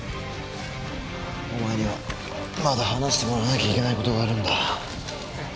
お前にはまだ話してもらわなきゃいけないことがあるんだ。